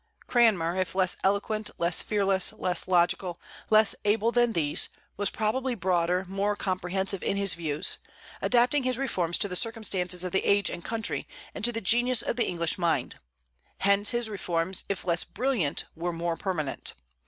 Cranmer, if less eloquent, less fearless, less logical, less able than these, was probably broader, more comprehensive in his views, adapting his reforms to the circumstances of the age and country, and to the genius of the English mind. Hence his reforms, if less brilliant, were more permanent.